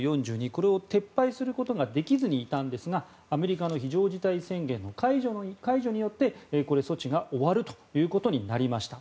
これを撤廃することができずにいたんですがアメリカの非常事態宣言の解除によってこの措置が終わるということになりました。